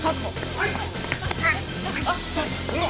はい！